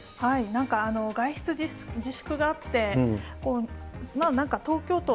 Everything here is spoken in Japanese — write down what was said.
なんか外出自粛があって、東京都